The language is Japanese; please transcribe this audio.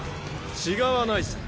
違わないさ。